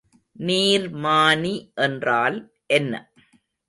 நீர்மானி என்றால் என்ன?